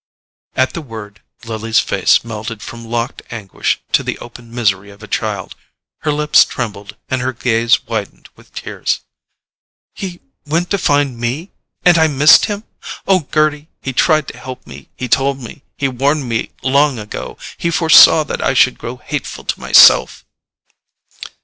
At the word, Lily's face melted from locked anguish to the open misery of a child. Her lips trembled and her gaze widened with tears. "He went to find me? And I missed him! Oh, Gerty, he tried to help me. He told me—he warned me long ago—he foresaw that I should grow hateful to myself!"